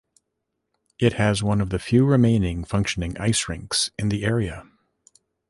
It has one of the few remaining functioning ice-rinks in the area.